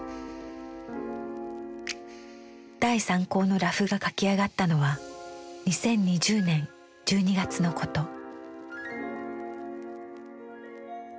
第３稿のラフが描き上がったのは２０２０年１２月のこと。